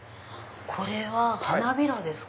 これは花びらですか？